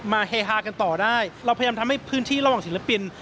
เฮฮากันต่อได้เราพยายามทำให้พื้นที่ระหว่างศิลปิน